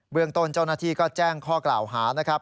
เมืองต้นเจ้าหน้าที่ก็แจ้งข้อกล่าวหานะครับ